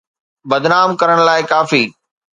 بدنام ڪرڻ لاءِ ڪافي.